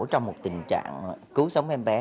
trong một tình trạng cứu sống em bé